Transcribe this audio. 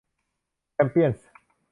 แชมเปี้ยนส์